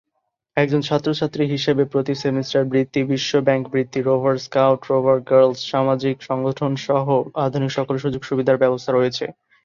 একজন ছাত্র-ছাত্রী হিসেবে প্রতি সেমিস্টার বৃত্তি, বিশ্বব্যাংক বৃত্তি, রোভার স্কাউট, রোভার গার্লস, সামাজিক সংগঠন সহ আধুনিক সকল সুযোগ-সুবিধার ব্যবস্থা রয়েছে।